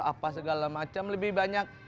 apa segala macam lebih banyak